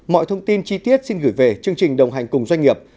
mọi thông tin chi tiết xin gửi về chương trình đồng hành cùng doanh nghiệp